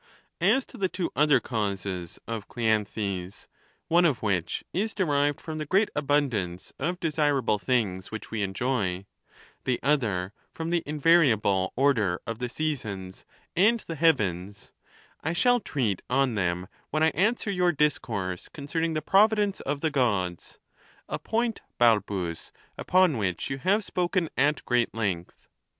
As to the two other causes of Cleanthes, one of which is derived from the great abundance of desirable things which we enjoy, the other from the invariable or der of the seasons and the heavens, I shall treat on them when I answer your discourse concerning the providence of the Gods — a point, Balbus, upon which you have spoken at great length.